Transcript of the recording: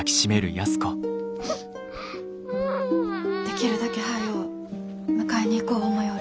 できるだけ早う迎えに行こう思ようる。